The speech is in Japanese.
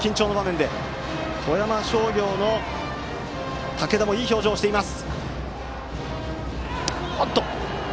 この緊張の場面で富山商業の竹田もいい表情をしています。